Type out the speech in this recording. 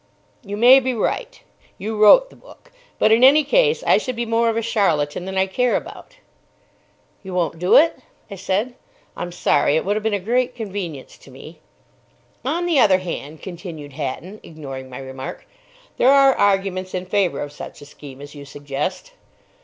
"You may be right. You wrote the book. But, in any case, I should be more of a charlatan than I care about." "You won't do it?" I said. "I'm sorry. It would have been a great convenience to me." "On the other hand," continued Hatton, ignoring my remark, "there are arguments in favour of such a scheme as you suggest."